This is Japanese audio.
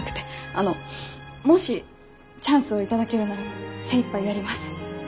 あのもしチャンスを頂けるなら精いっぱいやります。